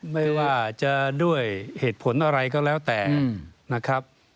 ไม่ว่าจะด้วยเหตุผลอะไรก็แล้วแต่นะครับ